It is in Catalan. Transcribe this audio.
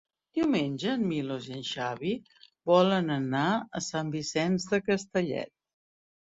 Diumenge en Milos i en Xavi volen anar a Sant Vicenç de Castellet.